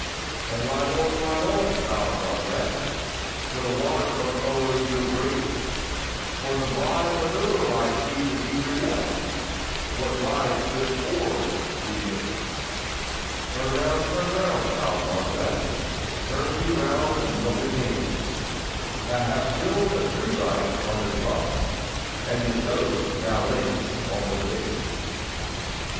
"And ride on, ride on, proud Margaret! Till the water comes o'er your bree, For the bride maun ride deep, and deeper yet, Wha rides this ford wi' me. "Turn round, turn round, proud Margaret! Turn ye round, and look on me, Thou hast killed a true knight under trust, And his ghost now links on with thee."